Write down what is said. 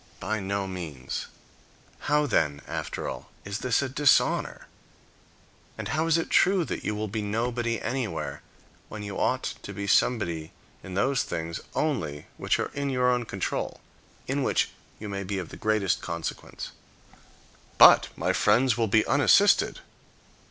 By no means. How, then, after all, is this a dishonor? And how is it true that you will be nobody anywhere, when you ought to be somebody in those things only which are in your own control, in which you may be of the greatest consequence? "But my friends will be unassisted."